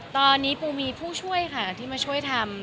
ตอนนี้ปูมีผู้ช่วยค่ะที่มาช่วยทำ